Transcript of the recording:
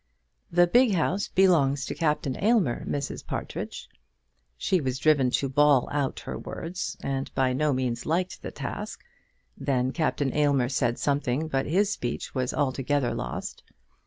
"The big house belongs to Captain Aylmer, Mrs. Partridge." She was driven to bawl out her words, and by no means liked the task. Then Captain Aylmer said something, but his speech was altogether lost.